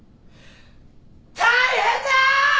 大変だ！！